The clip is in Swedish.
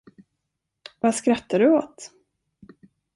Vad skrattar du åt?